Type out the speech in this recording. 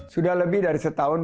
sudah lebih dari setahun